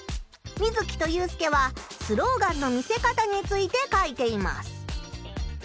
ミズキとユウスケはスローガンの見せ方について書いています。